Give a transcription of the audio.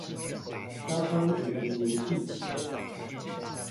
加昌兒童遊戲場